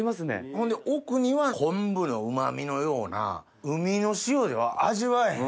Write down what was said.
ほんで奥には昆布のうま味のような海の塩では味わえへん。